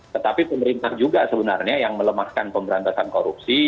tetapi pemerintah juga sebenarnya yang melemahkan pemberantasan korupsi